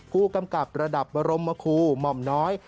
ผู้กำกับระดับบรมคูหม่อมน้อย